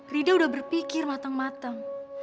rida sudah berpikir mateng mateng